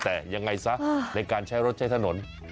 แต่ยังไงซะในการใช้รถใช้ถนน